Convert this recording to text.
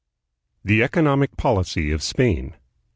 The Economic Policy of Spain.